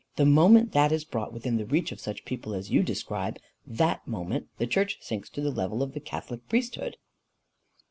The moment that is brought within the reach of such people as you describe, that moment the church sinks to the level of the catholic priesthood."